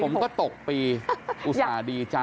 ผมก็ตกปีอุตส่าห์ดีใจ